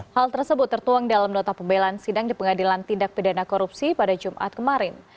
hal tersebut tertuang dalam nota pembelaan sidang di pengadilan tindak pidana korupsi pada jumat kemarin